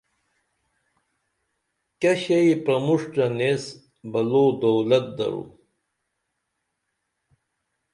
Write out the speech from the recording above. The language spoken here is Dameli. کیہ شئی پرموݜٹن ایس بلو دولت درو